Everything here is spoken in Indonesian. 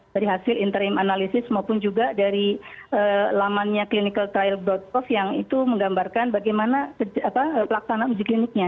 dari hasil interim analysis maupun juga dari lamannya clinicaltrial gov yang itu menggambarkan bagaimana pelaksanaan uji kliniknya